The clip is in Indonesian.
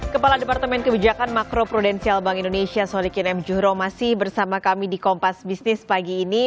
kepala departemen kebijakan makro prudensial bank indonesia sodikin m juhro masih bersama kami di kompas bisnis pagi ini